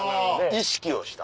意識をした。